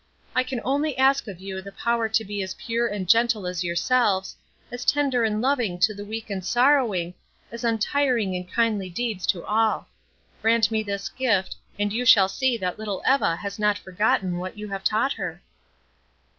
I can only ask of you the power to be as pure and gentle as yourselves, as tender and loving to the weak and sorrowing, as untiring in kindly deeds to all. Grant me this gift, and you shall see that little Eva has not forgotten what you have taught her."